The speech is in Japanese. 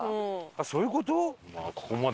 あっそういう事？